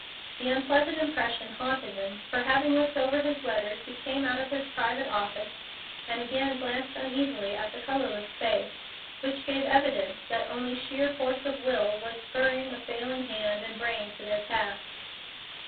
The unpleasant impression haunted him, for having looked over his letters he came out of his private office and again glanced uneasily at the colorless face, which gave evidence that only sheer force of will was spurring a failing hand and brain to their tasks.